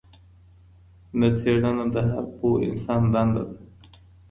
نه، څېړنه د هر پوه انسان دنده ده.